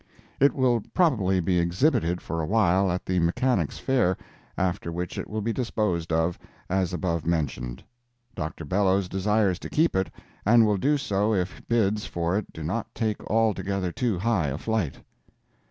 It will probably be exhibited for a while at the Mechanics' Fair, after which it will be disposed of, as above mentioned. Dr. Bellows desires to keep it, and will do so if bids for it do not take altogether too high a flight.